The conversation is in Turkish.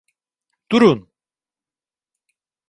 Durun!